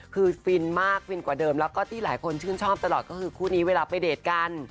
คือฟินมากฟินกว่าเดิมแล้วก็ที่หลายคนชื่นชอบตลอดก็คือคู่นี้เวลาไปเดทกัน